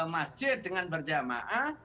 masjid dengan berjamaah